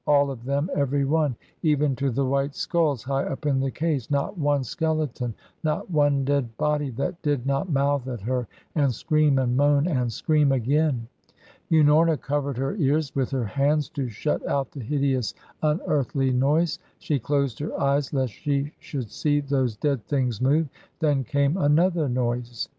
All of them every one even to the white skulls high up in the case; not one skeleton, not one dead body that did not mouth at her and scream and moan and scream again. Unorna covered her ears with her hands to shut out the hideous, unearthly noise. She closed her eyes lest she should see those dead things move. Then came another noise.